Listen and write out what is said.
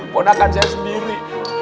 pohon akan saya sendiri